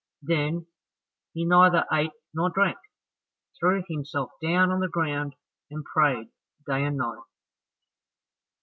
Then he neither ate nor drank, threw himself down on the ground, and prayed day and night.